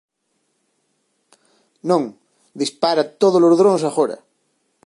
Non, dispara todos os drons agora!